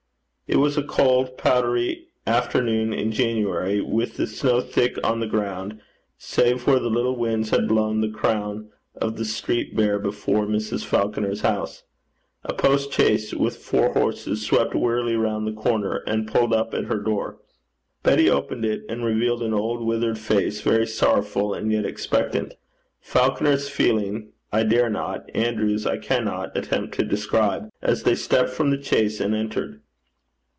It was a cold, powdery afternoon in January, with the snow thick on the ground, save where the little winds had blown the crown of the street bare before Mrs. Falconer's house. A post chaise with four horses swept wearily round the corner, and pulled up at her door. Betty opened it, and revealed an old withered face very sorrowful, and yet expectant. Falconer's feelings I dare not, Andrew's I cannot attempt to describe, as they stepped from the chaise and entered.